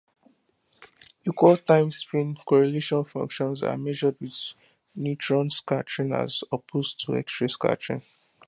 Equal-time spin-spin correlation functions are measured with neutron scattering as opposed to x-ray scattering.